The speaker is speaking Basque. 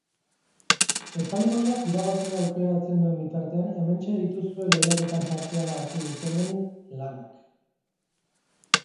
Epaimahaiak irabazlea aukeratzen duen bitartean, hementxe dituzue lehiaketan parte hartu dutenen lanak.